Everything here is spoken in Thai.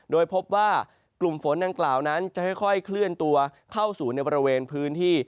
โดยพบว่ากลุ่มฝนดังกล่าวนั้นจะค่อยเคลื่อนตัวเข้าสู่ในบริเวณพื้นที่